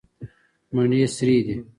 مڼې سرې دي.